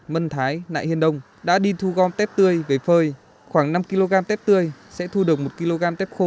mân thái nại hiên đông đã đi thu gom tép tươi về phơi khoảng năm kg tép tươi sẽ thu được một kg tép khô